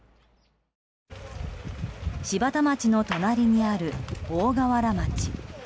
柴田町の隣にある大河原町。